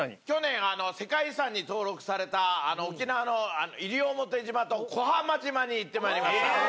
去年世界遺産に登録された沖縄の西表島と小浜島に行ってまいりました。